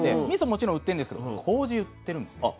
もちろん売ってるんですけどこうじ売ってるんですね。